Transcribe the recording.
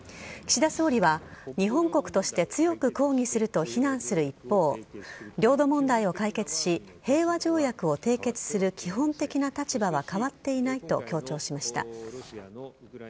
岸田総理は、日本国として強く抗議すると非難する一方、領土問題を解決し、平和条約を締結する基本的な立場は変わっていないと強調しました。